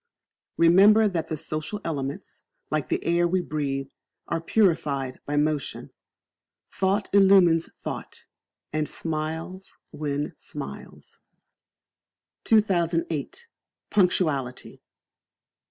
Remember that the social elements, like the air we breathe, are purified by motion. Thought illumines thought, and smiles win smiles. 2008. Punctuality.